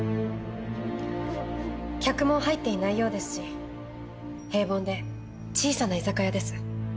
客も入っていないようですし平凡で小さな居酒屋です。